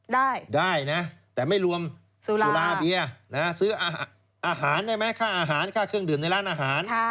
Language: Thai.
ได้ได้นะแต่ไม่รวมสุราเบียร์ซื้ออาหารได้ไหมค่าอาหารค่าเครื่องดื่มในร้านอาหาร